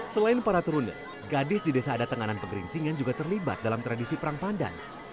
selain para turune gadis di desa ada tenganan pegeringsingan juga terlibat dalam tradisi perang pandan